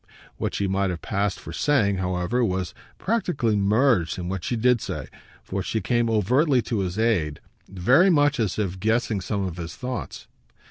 What she might have passed for saying, however, was practically merged in what she did say, for she came overtly to his aid, very much as if guessing some of his thoughts.